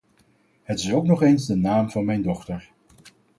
Het is ook nog eens de naam van mijn dochter.